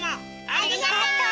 ありがとう！